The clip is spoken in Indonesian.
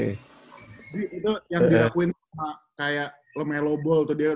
jadi itu yang dirakuin sama kayak lemelobol tuh dia